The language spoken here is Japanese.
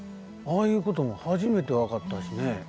ああいうことも初めて分かったしね。